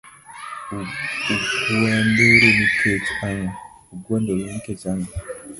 Ugwandoru nikech ang’o?